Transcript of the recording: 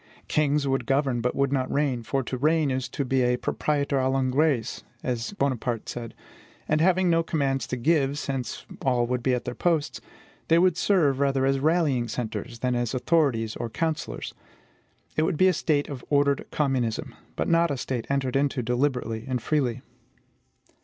Kings would govern, but would not reign; for to reign is to be a proprietor a l'engrais, as Bonaparte said: and having no commands to give, since all would be at their posts, they would serve rather as rallying centres than as authorities or counsellors. It would be a state of ordered communism, but not a society entered into deliberately and freely.